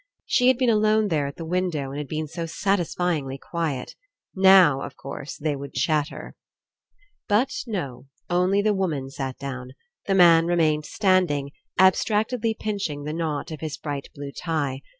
She had been alone there at the window and It had been so satisfylngly quiet. Now, of course, they would chatter. But no. Only the woman sat down. The man remained standing, abstractedly pinching the knot of his bright blue tie.